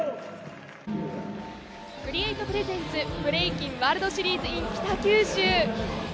ＣｒｅａｔｅＰｒｅｓｅｎｔｓブレイキンワールドシリーズｉｎ北九州